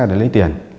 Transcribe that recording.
để lấy tiền